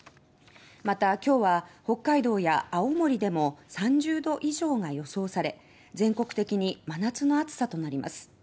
また、今日は北海道や青森でも３０度以上が予想され全国的に真夏の暑さとなります。